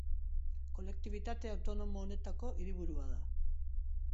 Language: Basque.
Kolektibitate autonomo honetako hiriburua da.